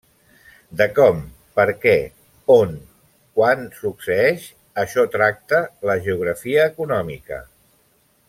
De com, perquè, on, quan succeeix això tracta la geografia econòmica.